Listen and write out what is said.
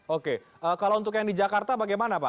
oke kalau untuk yang di jakarta bagaimana pak